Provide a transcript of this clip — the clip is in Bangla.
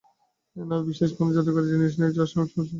না, বিশেষ কোনো জাদুকরি জিনিস নেই, যার স্পর্শে ওয়াইল্ড সুন্দর হয়ে ওঠেন।